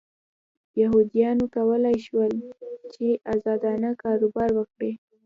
یهودیانو کولای شول چې ازادانه کاروبار وکړي.